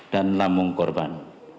dan lambung korban